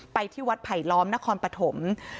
ที่วัดไผลล้อมนครปฐม